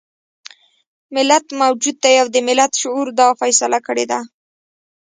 ملت موجود دی او د ملت شعور دا فيصله کړې ده.